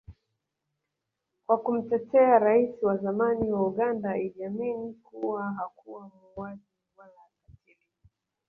kwa kumtetea rais wa zamani wa Uganda Idi Amin kuwa hakuwa muuaji Wala katili